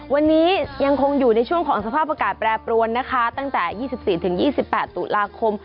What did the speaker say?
วันนี้ยังคงอยู่ในช่วงของสภาพอากาศแปรปรวนนะคะตั้งแต่๒๔๒๘ตุลาคม